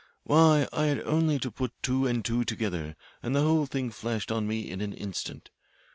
Why, I had only to put two and two together and the whole thing flashed on me in an instant.